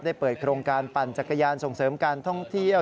ได้เปิดโครงการปั่นจักรยานส่งเสริมการท่องเที่ยว